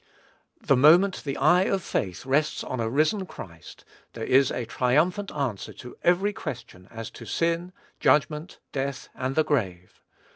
The moment the eye of faith rests on a risen Christ, there is a triumphant answer to every question as to sin, judgment, death, and the grave.